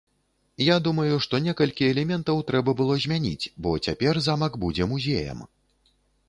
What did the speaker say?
Я думаю, што некалькі элементаў трэба было змяніць, бо цяпер замак будзе музеям.